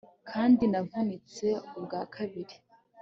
kandi navutse ubwa kabiri